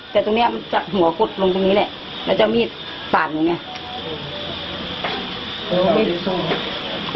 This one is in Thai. แต่ตรงเนี้ยมันจัดหัวกดลงตรงนี้แหละแล้วจะมีดป่านอย่างเงี้ย